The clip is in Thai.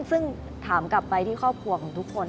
ซึ่งถามกลับไปที่ครอบครัวของทุกคน